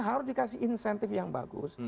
harus dikasih insentif yang bagus